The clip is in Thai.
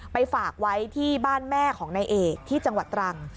ฝากไว้ที่บ้านแม่ของนายเอกที่จังหวัดตรัง